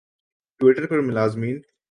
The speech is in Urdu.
ٹوئٹر پر ملازمین